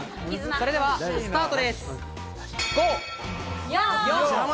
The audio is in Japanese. それではスタート。